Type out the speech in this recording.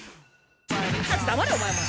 黙れお前は。